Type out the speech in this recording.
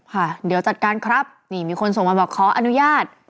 ค่ะเดี๋ยวจัดการครับนี่มีคนส่งมาบอกขออนุญาต